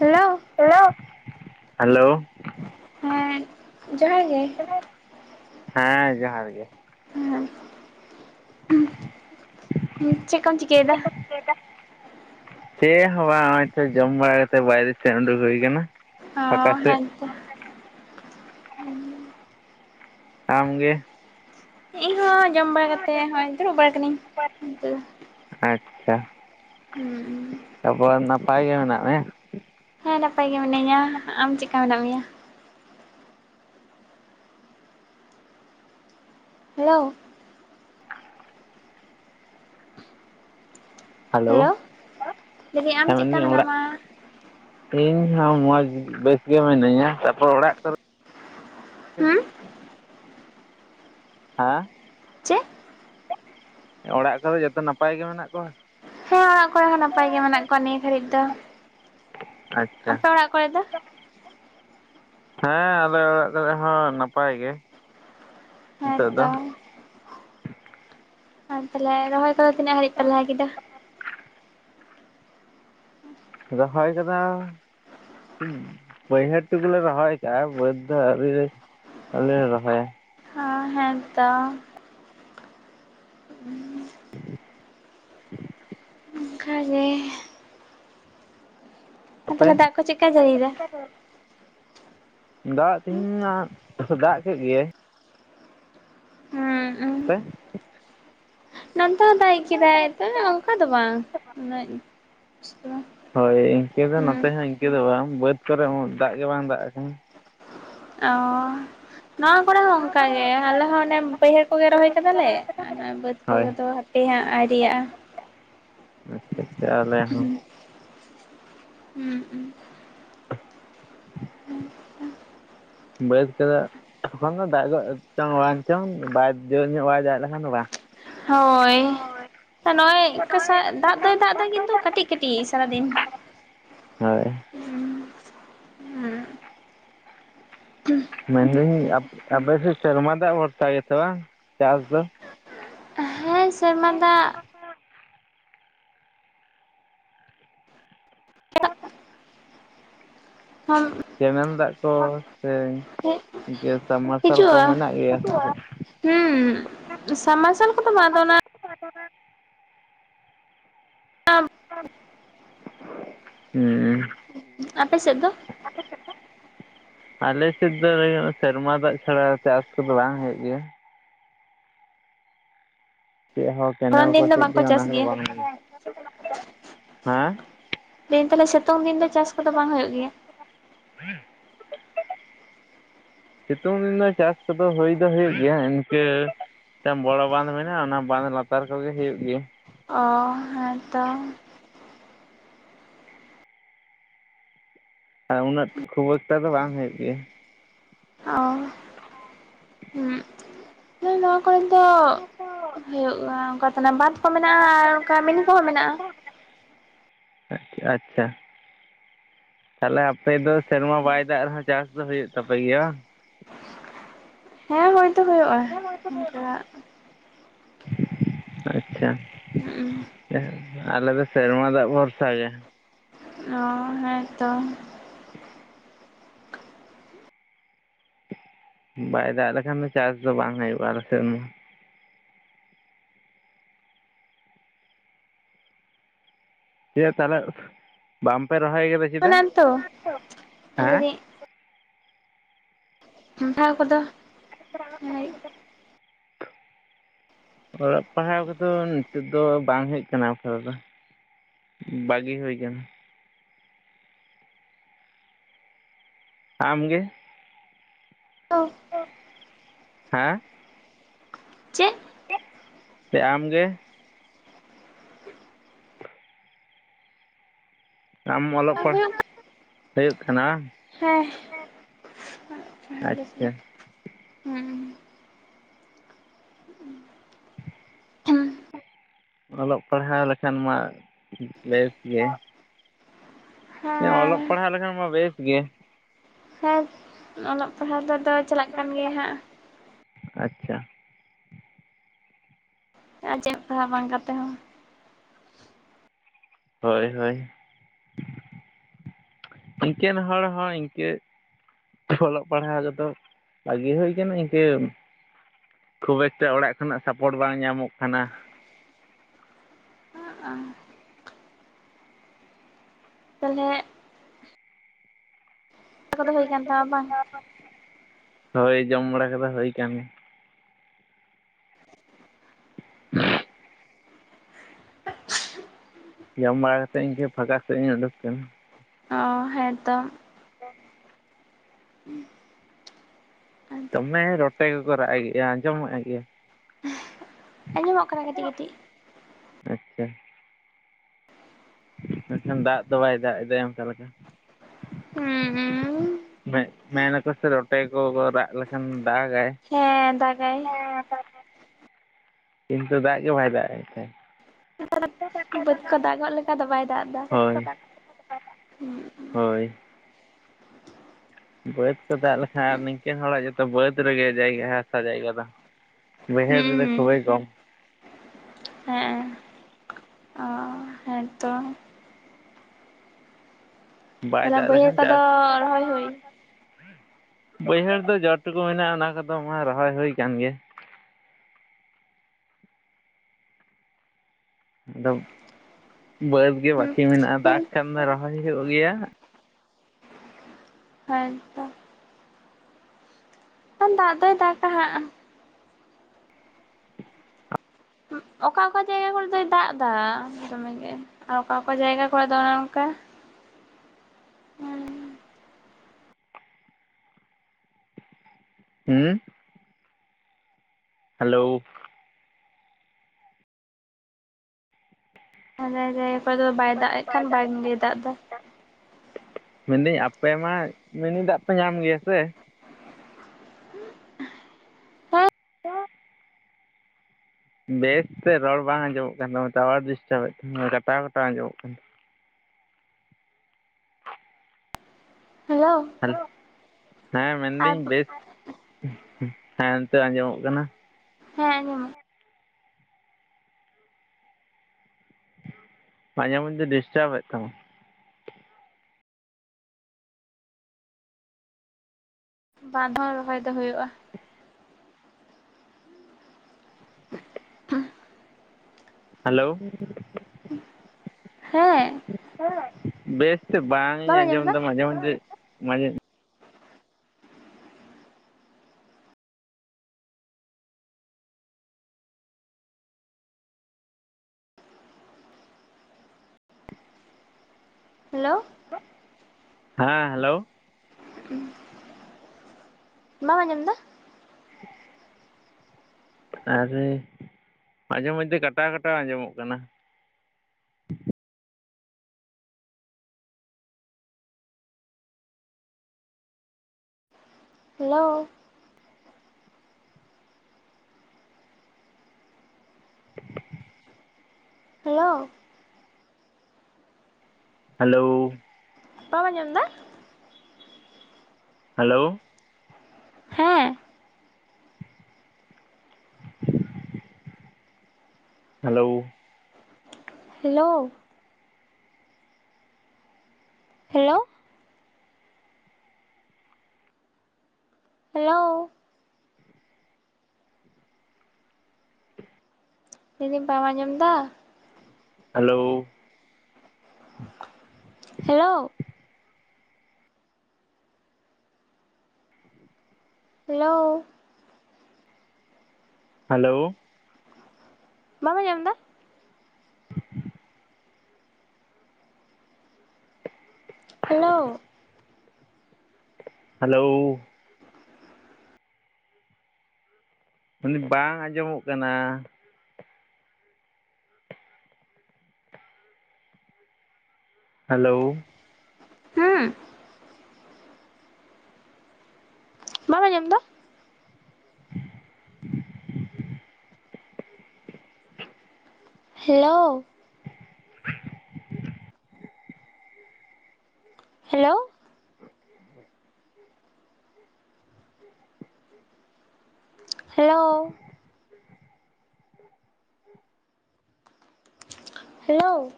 Hello, hello, hello, ᱦᱮᱸ ᱡᱚᱦᱟᱨ ᱜᱮ᱾ ᱦᱮᱸ ᱡᱚᱦᱟᱨ ᱜᱮ᱾ ᱦᱮᱸ, ᱪᱮᱜ ᱠᱚᱢ ᱪᱤᱠᱟᱹᱭᱫᱟ? ᱪᱮᱜ ᱦᱚᱸ ᱵᱟᱝ ᱦᱚᱸᱜ-ᱚᱭ ᱛᱚ ᱡᱚᱢ ᱵᱟᱲᱟ ᱠᱟᱛᱮᱜ ᱵᱟᱭᱨᱮ ᱥᱮᱫ ᱩᱸᱰᱩᱠ ᱦᱩᱭ ᱠᱟᱱᱟ᱾ ᱦᱚᱸ ᱦᱮᱸ ᱛᱚ᱾ ᱟᱢ ᱜᱮ? ᱤᱧ ᱦᱚᱸ ᱡᱚᱢ ᱵᱟᱲᱟ ᱠᱟᱛᱮ ᱦᱚᱸᱜ-ᱚᱭ ᱫᱩᱲᱩᱵ ᱵᱟᱲᱟ ᱠᱟᱹᱱᱤᱧ ᱚᱱᱛᱮ᱾ ᱟᱪᱪᱷᱟ᱾ ᱦᱩᱸ, ᱛᱟᱯᱚᱨᱮ ᱱᱟᱯᱟᱭ ᱜᱮ ᱢᱮᱱᱟᱜ ᱢᱮᱭᱟ? ᱦᱮᱸ ᱱᱟᱯᱟᱭ ᱜᱮ ᱢᱤᱱᱟᱹᱧᱟ, ᱟᱢ ᱪᱮᱜᱠᱟ ᱢᱮᱱᱟᱜ ᱢᱮᱭᱟ? ᱦᱮᱞᱳ, ᱦᱮᱞᱳ, ᱞᱟᱹᱭᱫᱟᱹᱧ ᱦᱮᱸ ᱟᱢ ᱪᱮᱜᱠᱟ ᱢᱮᱱᱫᱟᱹᱧ ᱚᱲᱟᱜ ᱢᱮᱱᱟᱢᱟ? ᱤᱧ ᱦᱚᱸ ᱢᱚᱡᱽ ᱵᱮᱥ ᱜᱮ ᱢᱤᱱᱟᱹᱧᱟ, ᱛᱟᱯᱚᱨ ᱚᱲᱟᱜ ᱠᱚᱨᱮ ᱦᱩᱸ? ᱦᱟᱸ? ᱪᱮᱫ ᱚᱲᱟᱜ ᱠᱚᱨᱮ ᱡᱚᱛᱚ ᱱᱟᱯᱟᱭ ᱜᱮ ᱢᱮᱱᱟᱜ ᱠᱚᱣᱟ? ᱦᱮᱸ ᱚᱲᱟᱜ ᱠᱚᱨᱮ ᱦᱚᱸ ᱱᱟᱯᱟᱭ ᱜᱮ ᱢᱮᱱᱟᱜ ᱠᱚᱣᱟ ᱱᱤᱭᱟᱹ ᱜᱟᱹᱲᱤᱜ ᱫᱚ᱾ ᱟᱪᱪᱷᱟ ᱟᱯᱮ ᱚᱲᱟᱜ ᱠᱚᱨᱮ ᱫᱚ? ᱦᱮᱸ ᱟᱞᱮ ᱚᱲᱟᱜ ᱠᱚᱨᱮ ᱦᱚᱸ ᱱᱟᱯᱟᱭ ᱜᱮ᱾ ᱦᱮᱸ ᱱᱤᱛᱚᱜ ᱫᱚ ᱛᱚ᱾ ᱟᱨ ᱛᱟᱦᱚᱞᱮ ᱨᱚᱦᱚᱭ ᱠᱚᱫᱚ ᱛᱤᱱᱟᱹᱜ ᱦᱟᱨᱤᱜ ᱯᱮ ᱞᱟᱦᱟ ᱠᱮᱫᱟ? ᱨᱚᱦᱚᱭ ᱠᱚᱫᱚ ᱵᱟᱹᱭᱦᱟᱹᱲ ᱴᱩᱠᱩ ᱞᱮ ᱨᱚᱦᱚᱭ ᱠᱟᱜ-ᱟ ᱵᱟᱹᱫᱽ ᱫᱚ ᱟᱣᱨᱤ᱾ ᱟᱣᱨᱤᱞᱮ ᱨᱚᱦᱚᱭᱟ᱾ ᱦᱮᱸ ᱛᱚ᱾ [inaudible] ᱚᱱᱠᱟ ᱜᱮ, ᱟᱯᱮ? ᱛᱟᱦᱚᱞᱮ ᱫᱟᱜ ᱠᱚ ᱪᱮᱫᱠᱟᱭ ᱡᱟᱹᱲᱤᱭᱮᱫᱟ ᱫᱟᱜᱽ ᱛᱤᱦᱤᱧ ᱢᱟ ᱫᱟᱜᱽ ᱠᱮᱜ ᱜᱮᱭᱟᱭ᱾ ᱦᱩᱸ ᱚᱱᱛᱮ? ᱫᱟᱭᱮᱜ ᱠᱮᱫᱟᱭ ᱛᱚ ᱚᱝᱠᱟ ᱫᱚ ᱵᱟᱝ ᱩᱱᱟᱹᱜ ᱜᱮ, ᱦᱳᱭ ᱤᱱᱠᱟᱹ ᱫᱚ ᱱᱚᱛᱮ ᱦᱚᱸ ᱤᱱᱠᱟᱹ ᱫᱚ ᱵᱟᱝ ᱵᱟᱹᱫᱽ ᱠᱚᱨᱮ ᱩᱸᱜ ᱫᱟᱜᱽ ᱜᱮ ᱵᱟᱝ ᱫᱟᱜᱽ ᱠᱟᱱᱟ᱾ ᱚᱸ ᱱᱚᱣᱟ ᱠᱚᱨᱮ ᱦᱚᱸ ᱚᱝᱠᱟ ᱜᱮ ᱟᱞᱮ ᱦᱚᱸ ᱚᱱᱮ ᱵᱟᱹᱭᱦᱟᱹᱲ ᱠᱚᱜᱮ ᱨᱚᱦᱚᱭ ᱠᱟᱫᱟ ᱞᱮ, ᱟᱫᱚ ᱵᱟᱹᱫᱽ ᱦᱳᱭ ᱠᱚᱜᱮ ᱫᱚ ᱦᱟᱯᱮ ᱦᱟᱸᱜ ᱟᱣᱨᱤᱭᱟᱜᱼᱟ᱾ ᱟᱪᱪᱷᱟ ᱟᱪᱪᱷᱟ ᱟᱞᱮ ᱦᱚᱸ᱾ ᱦᱩᱸ ᱩᱸ, [inaudible] ᱵᱟᱹᱫᱽ ᱠᱚᱫᱚ, ᱮᱠᱷᱚᱱ ᱫᱚ ᱫᱟᱜ [unintelligible] ᱪᱚᱝ ᱵᱟᱝ ᱪᱚᱝ ᱵᱟᱭ ᱡᱳᱨ ᱧᱚᱜ ᱵᱟᱭ ᱫᱟᱜ ᱞᱮᱠᱷᱟᱱ ᱫᱚ ᱵᱟ ᱾ ᱦᱳᱭ ᱾ ᱛᱚ ᱱᱚᱜ-ᱚᱭ ᱫᱟᱜ ᱫᱚᱭ ᱫᱟᱜ ᱮᱫᱟ ᱠᱤᱱᱛᱩ ᱠᱟᱹᱴᱤᱡ ᱠᱟᱹᱴᱤᱡ ᱥᱟᱨᱟᱫᱤᱱ ᱾ ᱦᱳᱭ ᱾ ᱢᱮᱱᱫᱟᱹᱧ ᱟᱯᱮ ᱟᱯᱮ ᱥᱮᱫ ᱥᱮᱨᱢᱟ ᱫᱟᱜ ᱵᱷᱚᱨᱥᱟ ᱜᱮᱥᱮ ᱵᱟᱝ ᱪᱟᱥ ᱫᱚ? ᱦᱮᱸ ᱥᱮᱨᱢᱟ ᱫᱟᱜ [unintelligible] ᱦᱚᱢ ᱠᱮᱱᱮᱞ ᱫᱟᱜ ᱠᱚ ᱥᱮ ᱜᱮ ᱥᱟᱵᱢᱟᱨᱥᱟᱞ ᱠᱚ ᱢᱮᱱᱟᱜ ᱜᱮᱭᱟ? ᱦᱩᱸᱢ ᱥᱟᱵᱢᱟᱨᱥᱟᱞ ᱠᱚᱫᱚ ᱵᱟᱝ ᱟᱫᱚ ᱚᱱᱟ [inaudible] [unintelligible] [unintelligible] ᱦᱩᱸ ᱾ ᱟᱯᱮ ᱥᱮᱫ ᱫᱚ? ᱟᱞᱮ ᱥᱮᱫ ᱫᱚ ᱦᱩᱭᱩᱜ ᱥᱮᱨᱢᱟ ᱫᱟᱜ ᱪᱷᱟᱲᱟ ᱪᱟᱥ ᱠᱚᱫᱚ ᱵᱟᱝ ᱦᱩᱭᱩᱜ ᱜᱮᱭᱟ ᱾ ᱪᱮᱫ ᱦᱚᱸ ᱠᱮᱱᱮᱞ ᱫᱷᱚᱨᱚᱱ ᱠᱚ ᱫᱤᱱ ᱫᱚ ᱪᱮᱫ ᱜᱮ ᱵᱟᱝᱠᱚ ᱚᱱᱟ ᱪᱟᱥ ᱠᱚᱫᱚ ᱜᱮᱭᱟ ᱵᱟᱝ [unintelligible] ᱾ ᱦᱮᱸ? ᱫᱤᱱ ᱛᱟᱦᱚᱞᱮ ᱥᱤᱛᱩᱝ ᱫᱤᱱ ᱫᱚ ᱪᱟᱥ ᱠᱚᱫᱚ ᱵᱟᱝ ᱦᱩᱭᱩᱜ ᱜᱮᱭᱟ? [inaudible] [unintelligible] ᱥᱤᱛᱩᱝ ᱫᱤᱱ ᱫᱚ ᱪᱟᱥ ᱠᱚᱫᱚ ᱦᱩᱭ ᱫᱚ ᱦᱩᱭᱩᱜ ᱜᱮᱭᱟ ᱤᱱᱠᱟᱹ ᱢᱤᱫᱴᱟᱝ ᱵᱚᱲᱚ ᱵᱟᱸᱫᱷ ᱢᱮᱱᱟᱜᱼᱟ, ᱚᱱᱟ ᱵᱟᱸᱫ ᱞᱟᱛᱟᱨ ᱠᱚᱜᱮ ᱦᱩᱭᱩᱜ ᱜᱮᱭᱟ ᱾ ᱚ ᱦᱮᱸ ᱛᱚ ᱾ ᱟᱨ ᱩᱱᱟᱹᱜ ᱠᱷᱩᱵ ᱮᱠᱴᱟ ᱫᱚ ᱵᱟᱝ ᱦᱳᱭᱳᱜ ᱜᱮᱭᱟ ᱾ ᱚ [unintelligible] ᱠᱚᱫᱚ ᱦᱩᱭᱩᱜᱼᱟ ᱚᱱᱠᱟ ᱛᱟᱦᱮᱱᱟᱜ ᱵᱟᱸᱫᱽ ᱠᱚ ᱢᱮᱱᱟᱜᱼᱟ ᱟᱨ ᱚᱱᱠᱟ ᱢᱤᱱᱤ ᱠᱚᱦᱚᱸ ᱢᱮᱱᱟᱜᱼᱟ ᱾ ᱟᱪ ᱟᱪᱪᱷᱟ ᱾ ᱛᱟᱦᱞᱮ ᱟᱯᱮ ᱫᱚ ᱥᱮᱨᱢᱟ ᱵᱟᱭ ᱫᱟᱜ ᱨᱮᱦᱚᱸ ᱪᱟᱥ ᱫᱚ ᱦᱩᱭᱩᱜ ᱛᱟᱯᱮ ᱜᱮᱭᱟ ᱵᱟᱝ? ᱦᱮᱸ ᱦᱳᱭ ᱫᱚ ᱦᱳᱭᱳᱜᱼᱟ ᱚᱱᱠᱟ ᱟᱪᱪᱷᱟ ᱾ ᱟᱞᱮ ᱫᱚ ᱥᱮᱨᱢᱟ ᱫᱟᱜ ᱵᱷᱚᱨᱥᱟ ᱜᱮ ᱾ ᱚ ᱦᱮᱸᱛᱚ ᱾ ᱵᱟᱭ ᱫᱟᱜ ᱞᱮᱠᱷᱟᱱ ᱫᱚ ᱪᱟᱥ ᱫᱚ ᱵᱟᱝ ᱦᱩᱭᱩᱜᱼᱟ ᱟᱞᱮ ᱥᱮᱱ ᱫᱚ ᱾ ᱤᱭᱟᱹ ᱛᱟᱦᱚᱞᱮ ᱵᱟᱝ ᱯᱮ ᱨᱚᱦᱚᱭ ᱠᱟᱫᱟ? ᱪᱮᱫᱟᱜ [unintelligible] ᱛᱚ ᱞᱟᱹᱭ ᱦᱮᱸ ᱫᱤᱧ ᱴᱷᱟᱶ ᱠᱚᱫᱚ [unintelligible] ᱚᱞᱚᱜ ᱯᱟᱲᱦᱟᱣ ᱠᱚᱫᱚ ᱱᱤᱛᱚᱜ ᱫᱚ ᱵᱟᱝ ᱦᱮᱡ ᱠᱟᱱᱟ ᱚᱯᱟᱛᱚᱛᱚ ᱾ ᱵᱟᱹᱜᱤ ᱦᱩᱭᱠᱟᱱᱟ ᱾ ᱟᱢ ᱜᱮ? [unintelligible] [unintelligible] ᱦᱮᱸ? ᱪᱮᱫ? ᱥᱮ ᱟᱢ ᱜᱮ? ᱟᱢ ᱚᱞᱚᱜ ᱦᱩᱭᱩᱜ ᱯᱟᱲᱦᱟᱣ, ᱦᱩᱭᱩᱜ ᱠᱟᱱᱟ ᱵᱟᱝ ᱾ ᱦᱮᱸ᱾ ᱦᱮᱸ ᱟᱪᱪᱷᱟ᱾ ᱦᱮᱸ ᱚᱞᱚᱜ ᱯᱟᱲᱦᱟᱣ ᱞᱮᱠᱷᱟᱱ ᱢᱟ ᱵᱮᱥ ᱜᱮ᱾ ᱦᱮᱸ ᱚᱞᱚᱜ ᱯᱟᱲᱦᱟᱣ ᱞᱮᱠᱷᱟᱱ ᱢᱟ ᱵᱮᱥ᱾ ᱦᱮᱸ ᱚᱞᱚᱜ ᱯᱟᱲᱦᱟᱣ ᱫᱚ [unintelligible] [inaudible] ᱟᱪᱪᱷᱟ᱾ ᱟᱨ ᱪᱮᱫ ᱮᱢ ᱯᱟᱲᱦᱟᱜ-ᱟ ᱵᱟᱝ ᱠᱟᱛᱮ ᱦᱚᱸ᱾ ᱦᱳᱭ ᱦᱳᱭ, ᱤᱱᱠᱮᱱ ᱦᱚᱲ ᱦᱚ ᱤᱱᱠᱟ. ᱾ ᱚᱞᱚᱜ ᱯᱟᱲᱦᱟᱣ ᱠᱚᱫᱚ ᱵᱟᱹᱜᱤ ᱦᱩᱭ ᱟᱠᱟᱱᱟ ᱤᱱᱠᱟᱹ ᱠᱷᱩᱵ ᱮᱠᱴᱟ ᱚᱲᱟᱜ ᱠᱷᱚᱱᱟᱜ ᱥᱟᱯᱚᱴ ᱵᱟᱝ ᱧᱟᱢᱚᱜ ᱠᱟᱱᱟ᱾ [unintelligible] ᱛᱟᱦᱚᱸᱞᱮ᱾ ᱫᱟᱠᱟ ᱠᱚ ᱫᱚ ᱦᱳᱭ ᱠᱟᱱ ᱛᱟᱢᱟ ᱵᱟᱝ᱾ ᱦᱳᱭ ᱡᱚᱢ ᱵᱟᱲᱟ ᱠᱚᱫᱚ ᱦᱳᱭ ᱠᱟᱱ ᱜᱮᱭᱟ᱾ [inaudible] ᱡᱚᱢ ᱵᱟᱲᱟ ᱠᱟᱛᱮᱫ ᱤᱧᱠᱟ. ᱯᱷᱟᱠᱟ ᱥᱮᱫ ᱤᱧ ᱳᱰᱩᱠ ᱠᱟᱱᱟ᱾ ᱦᱮᱸ ᱛᱚ᱾ ᱫᱚᱢᱮ ᱨᱚᱴᱮ ᱜᱮᱠᱚ ᱨᱟᱜ-ᱮ ᱜᱮᱭᱟ ᱟᱡᱚᱢᱚᱜ ᱜᱮ ᱟᱡᱚᱢᱚᱜ ᱠᱟᱱᱟ ᱠᱟᱹᱴᱤᱡ ᱠᱟᱹᱴᱤᱡ᱾ ᱟᱪᱪᱷᱟ, ᱱᱟᱜ ᱠᱷᱟᱱ ᱫᱟᱜ ᱫᱚ ᱵᱟᱭ ᱫᱟᱜ ᱮᱫᱟ ᱚᱱᱠᱟ ᱞᱮᱠᱟ᱾ ᱦᱩᱸ ᱢᱮ-ᱢᱮᱱᱟᱠᱚ ᱥᱮ ᱨᱚᱴᱮ ᱠᱚ ᱨᱟᱜ ᱞᱮᱠᱷᱟᱱ ᱫᱟᱜᱟᱭ᱾ ᱦᱮᱸ ᱫᱟᱜᱟᱭ ᱦᱮᱸ ᱠᱤᱱᱛᱩ ᱫᱟᱜ ᱜᱮ ᱵᱟᱭ ᱫᱟᱜ ᱮᱫᱟ ᱵᱟᱹᱫᱽ ᱠᱚ ᱫᱟᱜᱚᱜ ᱞᱮᱠᱟ ᱫᱚ ᱵᱟᱭ ᱫᱟᱜ ᱮᱫᱟ [inaudible] ᱦᱳᱭ᱾ ᱦᱳᱭ᱾ ᱵᱟᱹᱫᱽ ᱠᱚ ᱫᱟᱜ ᱞᱮᱠᱷᱟᱱ ᱱᱤᱝᱠᱟᱹ ᱦᱚᱲᱟᱜ ᱡᱚᱛᱚ ᱵᱟᱹᱫᱽ ᱨᱮᱜᱮ ᱡᱟᱭᱜᱟ ᱦᱟᱥᱟ ᱡᱟᱭᱜᱟ ᱫᱚ᱾ ᱵᱟᱹᱭᱦᱟᱹᱲ ᱨᱮ ᱦᱩᱸ ᱠᱷᱩᱵᱮᱭ ᱠᱚᱢ᱾ ᱦᱮᱸᱜ-ᱮ᱾ ᱵᱟᱭ ᱛᱟᱦᱚᱞᱮ ᱫᱟᱜ ᱵᱟᱹᱭᱦᱟᱹᱲ ᱞᱮᱠᱷᱟᱱ ᱠᱚᱫᱚ ᱪᱟᱥ [inaudible] ᱨᱚᱦᱚᱭ ᱦᱩᱭ ᱵᱟᱹᱭᱦᱟᱹᱲ ᱫᱚ ᱡᱚᱴ ᱴᱩᱠᱩ ᱢᱮᱱᱟᱜ-ᱟ ᱚᱱᱟ ᱠᱚᱫᱚ ᱢᱟ ᱨᱚᱦᱚᱭ ᱦᱩᱭ ᱟᱠᱟᱱ ᱜᱮᱭᱟ᱾ ᱟᱫᱚ ᱵᱟᱹᱫᱽ ᱜᱮ ᱵᱟᱹᱠᱤ ᱢᱮᱱᱟᱜ-ᱟ ᱦᱩᱸ ᱫᱟᱜ ᱠᱷᱟᱱ ᱫᱚ ᱨᱚᱦᱚᱭ ᱦᱩᱭᱩᱜ ᱜᱮᱭᱟ᱾ ᱦᱮᱸ ᱛᱚ᱾ ᱫᱟᱜ ᱫᱚᱭ ᱫᱟᱜ-ᱟ ᱦᱟᱸᱜ᱾ ᱚᱠᱟ ᱚᱠᱟ ᱡᱟᱭᱜᱟ ᱠᱚᱨᱮ ᱫᱚᱭ ᱫᱟᱜ ᱮᱫᱟ ᱫᱚᱢᱮ ᱜᱮ, ᱟᱨ ᱚᱠᱟ ᱚᱠᱟ ᱡᱟᱭᱜᱟ ᱠᱚᱨᱮ ᱫᱚ ᱚᱱᱮ ᱚᱱᱠᱟ᱾ ᱦᱩᱸ ᱦᱩᱸ᱾ ᱦᱮᱞᱳ᱾ ᱚᱠᱟ ᱡᱟᱭᱜᱟ ᱚᱱᱠᱟ ᱫᱚ ᱵᱟᱭ ᱫᱟᱜ ᱮᱫ ᱠᱷᱟᱱ ᱵᱟᱝ ᱜᱮ ᱫᱟᱜ-ᱮ ᱫᱟ᱾ ᱢᱮᱱᱫᱟᱹᱧ ᱟᱯᱮ ᱢᱟ, ᱢᱤᱱ ᱫᱟᱜ ᱯᱮ ᱧᱟᱢ ᱜᱮᱭᱟ ᱥᱮ᱾ [inaudible] ᱵᱮᱥᱛᱮ ᱨᱚᱲ ᱵᱟᱝ ᱟᱡᱚᱢᱚᱜ ᱠᱟᱱ ᱛᱟᱢᱟ, ᱴᱟᱣᱟᱨ ᱰᱤᱥᱴᱟᱵᱮᱫ ᱛᱟᱢᱟ ᱠᱟᱴᱟᱣ ᱠᱟᱴᱟᱣ ᱟᱡᱚᱢᱚᱜ ᱠᱟᱱᱟ᱾ ᱦᱮᱞᱳ᱾ ᱦᱮᱞᱳ ᱦᱮᱸ ᱟᱨ ᱢᱮᱱᱫᱟᱹᱧ ᱵᱮᱥ ᱦᱮᱸ ᱱᱤᱛᱚᱜ ᱟᱡᱚᱢᱚᱜ ᱠᱟᱱᱟ᱾ ᱦᱮᱸ ᱟᱡᱚᱢ ᱯᱟᱸᱡᱮ ᱢᱚᱫᱽᱫᱷᱮ ᱰᱤᱥᱴᱟᱵᱽ ᱮᱫ ᱛᱟᱢᱟ᱾ ᱵᱟᱨ ᱫᱷᱣ ᱨᱚᱦᱚᱭ ᱫᱚ ᱦᱳᱭᱳᱜᱼᱟ᱾ [inaudible] ᱦᱮᱞᱳ᱾ ᱦᱮᱸ᱾ ᱦᱮᱸ ᱵᱮᱥᱛᱮ ᱵᱟᱝ ᱤᱧ ᱟᱸᱡᱚᱢ ᱮᱫᱟ ᱢᱟᱡᱷᱮ ᱢᱟᱡᱷᱮ ᱢᱟᱡᱷᱮ ᱦᱮᱞᱳ᱾ ᱦᱮᱸ ᱦᱮᱞᱳ᱾ ᱵᱟᱢ ᱟᱸᱡᱚᱢ ᱮᱫᱟ? ᱟᱨᱮ ᱢᱟᱡᱷᱮ ᱢᱚᱫᱽᱫᱷᱮ ᱠᱟᱴᱟᱣ ᱠᱟᱴᱟᱣ ᱟᱸᱡᱚᱢᱚᱜ ᱠᱟᱱᱟ᱾ ᱦᱮᱞᱳ᱾ [inaudible] ᱦᱮᱞᱳ᱾ ᱦᱮᱞᱳ᱾ ᱵᱟᱢ ᱟᱸᱡᱚᱢ ᱫᱟ? ᱦᱮᱞᱳ᱾ ᱦᱮᱸ᱾ [inaudible] ᱦᱮᱞᱳ᱾ ᱦᱮᱞᱳ᱾ ᱦᱮᱞᱳ᱾ ᱦᱮᱞᱳ᱾ ᱞᱟᱹᱭᱫᱟᱹᱧ ᱵᱟᱢ ᱟᱸᱡᱚᱢ ᱫᱟ? ᱦᱮᱞᱳ᱾ ᱦᱮᱞᱳ᱾ ᱦᱮᱞᱳ᱾ ᱦᱮᱞᱳ᱾ ᱵᱟᱢ ᱟᱸᱡᱚᱢ ᱫᱟ? [inaudible] ᱦᱮᱞᱳ᱾ ᱦᱮᱞᱳ᱾ ᱢᱮᱱᱫᱟᱹᱧ ᱵᱟᱝ ᱟᱸᱡᱚᱢᱚᱜ ᱠᱟᱱᱟ? ᱦᱮᱞᱳ᱾ ᱦᱩᱸ ᱵᱟᱢ ᱟᱸᱡᱚᱢ ᱫᱟ? [inaudible] ᱦᱮᱞᱳ᱾ [inaudible] ᱦᱮᱞᱳ᱾ ᱦᱮᱞᱳ᱾ ᱦᱮᱞᱳ᱾